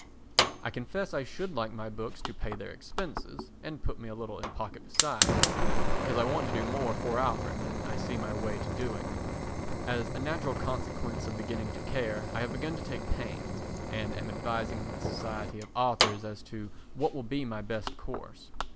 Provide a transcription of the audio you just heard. I confess I should like my books to pay their expenses and put me a little in pocket besides—because I want to do more for Alfred than I see my way to doing. As a natural consequence of beginning to care I have begun to take pains, and am advising with the Society of Authors as to what will be my best course.